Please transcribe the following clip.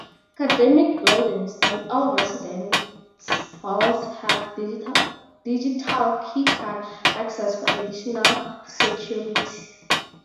Academic buildings and all residence halls have digital key card access for additional security.